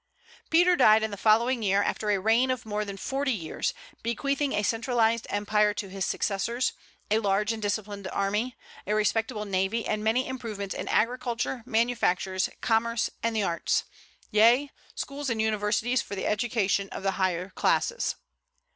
Peter died in the following year, after a reign of more than forty years, bequeathing a centralized empire to his successors, a large and disciplined army, a respectable navy, and many improvements in agriculture, manufactures, commerce, and the arts, yea, schools and universities for the education of the higher classes.